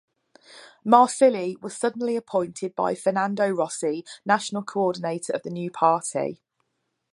Marsili was suddenly appointed by Fernando Rossi national coordinator of the new party.